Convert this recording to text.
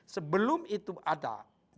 sebelum itu ada